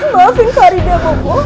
maafin faridah bopo